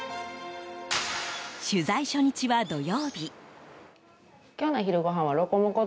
取材初日は土曜日。